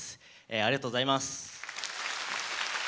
ありがとうございます。